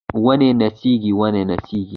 ونې نڅیږي ونې نڅیږي